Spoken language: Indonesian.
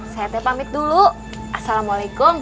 saya teh pamit dulu assalamualaikum